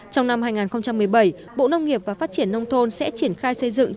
trong năm hai nghìn một mươi bảy bộ nông nghiệp và phát triển nông thôn sẽ triển khai xây dựng